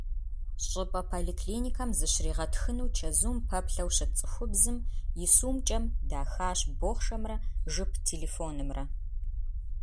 ЩӀыпӀэ поликлиникэм зыщригъэтхыну чэзум пэплъэу щыт цӏыхубзым и сумкӀэм дахащ бохъшэмрэ жып телефонымрэ.